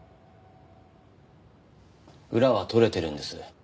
裏は取れてるんです。